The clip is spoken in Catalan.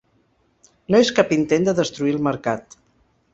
No és cap intent de destruir el mercat.